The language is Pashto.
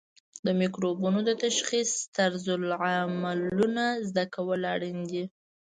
د مکروبونو د تشخیص طرزالعملونه زده کول اړین دي.